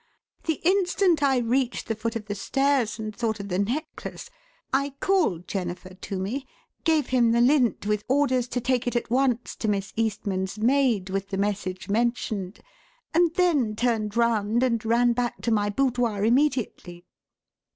The instant I reached the foot of the stairs and thought of the necklace, I called Jennifer to me, gave him the lint with orders to take it at once to Miss Eastman's maid with the message mentioned, and then turned round and ran back to my boudoir immediately."